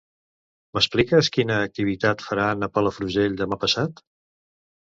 M'expliques quina activitat faran a Palafrugell demà passat?